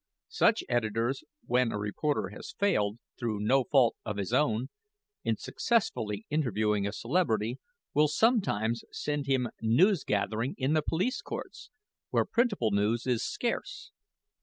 Such editors, when a reporter has failed, through no fault of his own, in successfully interviewing a celebrity, will sometimes send him news gathering in the police courts, where printable news is scarce.